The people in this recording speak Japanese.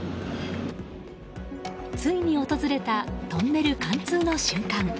ついに訪れたトンネル貫通の瞬間。